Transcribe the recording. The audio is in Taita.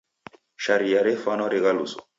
Sharia refwana righaluso.